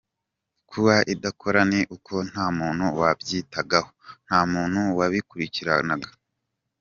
Kuba idakora ni uko nta muntu wabyitagaho, nta muntu wabikurikiranaga.